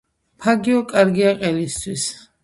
ფაგიო კარგია ყელისთვის